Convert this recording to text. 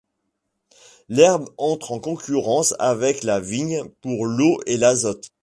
L'herbe entre en concurrence avec la vigne pour l'eau et l'azote.